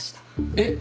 えっ？